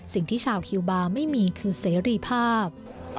สิ่งที่ชาวคิวบาร์ไม่มีคือเสรีภาพ